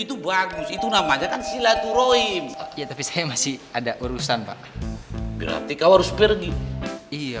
itu bagus itu namanya kan silaturahim ya tapi saya masih ada urusan pak berarti kau harus pergi iya